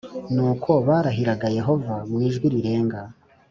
Nuko barahirag Yehova mu ijwi rirenga